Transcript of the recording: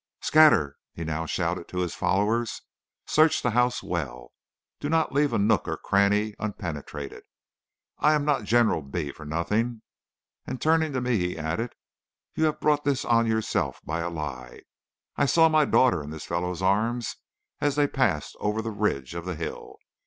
"'Scatter!' he now shouted to his followers. 'Search the house well. Do not leave a nook or cranny unpenetrated. I am not General B for nothing.' And turning to me, he added: 'You have brought this on yourself by a lie. I saw my daughter in this fellow's arms as they passed over the ridge of the hill.